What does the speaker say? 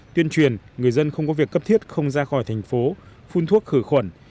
tuyên truyền người dân không có việc cấp thiết không ra khỏi thành phố phun thuốc khử khuẩn